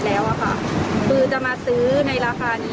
เขาก็รับในราคานี้